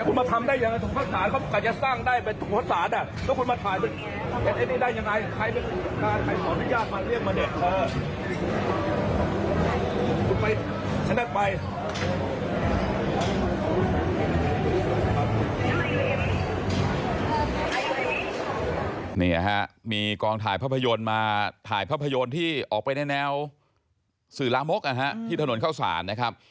นี่ฮะมีกองถ่ายภาพยนตร์มาถ่ายภาพยนตร์ที่ออกไปในแนวสื่อลามกที่ถนนเข้าศาลนะครับ